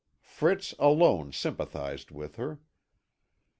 Fritz alone sympathised with her.